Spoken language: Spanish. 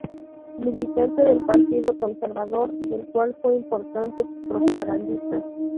Militante del Partido Conservador, del cual fue importante propagandista.